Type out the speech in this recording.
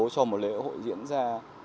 cho một lễ hội diễn ra